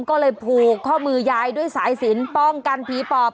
ก็เลยผูกข้อมือยายด้วยสายสินป้องกันผีปอบ